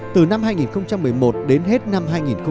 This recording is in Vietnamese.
từ năm hai nghìn một mươi một đến hết năm hai nghìn một mươi tám